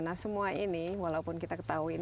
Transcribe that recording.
nah semua ini walaupun kita ketahuan ketahuan